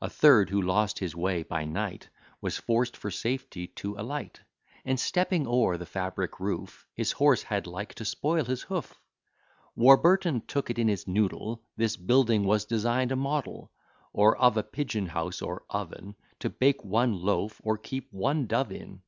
A third, who lost his way by night, Was forced for safety to alight, And, stepping o'er the fabric roof, His horse had like to spoil his hoof. Warburton took it in his noddle, This building was design'd a model; Or of a pigeon house or oven, To bake one loaf, or keep one dove in.